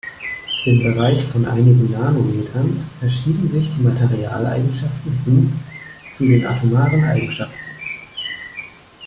Im Bereich von einigen Nanometern verschieben sich die Materialeigenschaften hin zu den atomaren Eigenschaften.